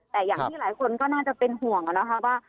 แต่อย่างที่หลายคนก็น่าจะเป็นห่วงนะคะว่า